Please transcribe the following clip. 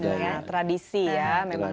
budaya tradisi ya memang